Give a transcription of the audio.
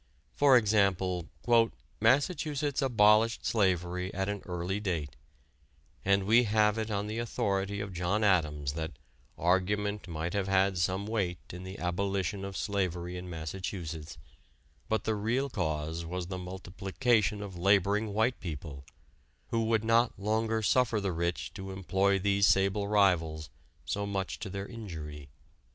For example: "Massachusetts abolished slavery at an early date, and we have it on the authority of John Adams that: 'argument might have had some weight in the abolition of slavery in Massachusetts, but the real cause was the multiplication of laboring white people, who would not longer suffer the rich to employ these sable rivals so much to their injury.'"